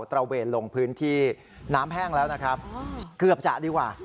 ระเวนลงพื้นที่น้ำแห้งแล้วนะครับเกือบจะดีกว่า